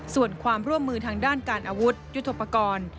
ส่วนความร่วมมือทางด้านการอาวุธยุทธปกรณ์